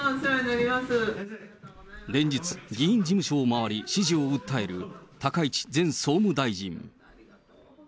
連日、議員事務所を回り、支持を訴える高市前総務大臣。